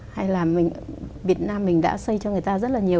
hay là mình việt nam mình đã xây cho người ta rất là nhiều